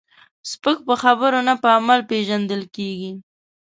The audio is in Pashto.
سپک په خبرو نه، په عمل پیژندل کېږي.